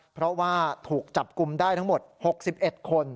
เพราะว่าถูกจับกลุ่มได้ทั้งหมด๖๑คน